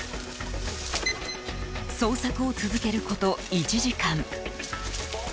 捜索を続けること１時間。